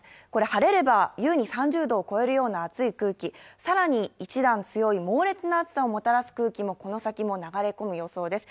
晴れれば優に３０度を超えるような暑い空気、更に、一段強い猛烈な暑さをもたらす空気もこの先も流れ込む予想です。